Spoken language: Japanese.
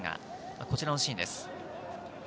こちらのシーンです。